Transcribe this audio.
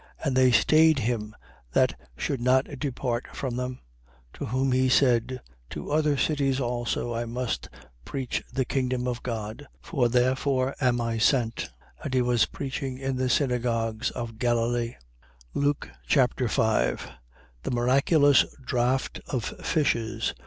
And they stayed him that should not depart from them. 4:43. To whom he said: To other cities also I must preach the kingdom of God: for therefore am I sent. 4:44. And he was preaching in the synagogues of Galilee. Luke Chapter 5 The miraculous draught of fishes.